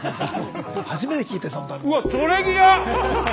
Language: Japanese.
初めて聞いたよ